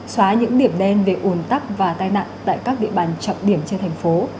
xóa những điểm đen về ủn tắc và tai nạn tại các địa bàn trọng điểm trên thành phố